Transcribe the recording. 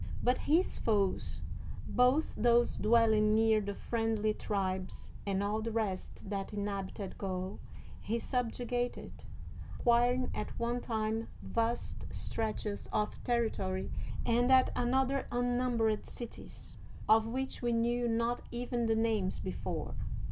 But his foes, both those dwelling near the friend ly tribes, and all the rest that inhabited Gaul, he subjugated, acquiring at one time vast stretches of territory and at another unnumbered cities, of which we knew not even the names be fore.